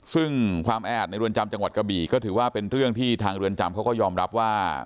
ซึ่งความแออัดในเรือนจำจังหวัดกระบี่ก็ถือว่าเป็นเรื่องที่ทางเรือนจำเขาก็ยอมรับว่า